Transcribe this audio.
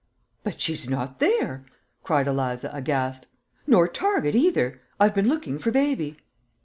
"But she's not there," cried Eliza, aghast; "nor Target either. I've been looking for baby."